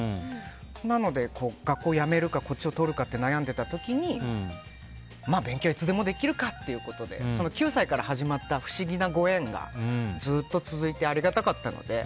なので、学校を辞めるかこっちを取るか悩んでいた時まあ、勉強はいつでもできるかということで９歳から始まった不思議なご縁がずっと続いてありがたかったので。